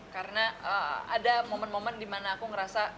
karena ada momen momen dimana aku ngerasa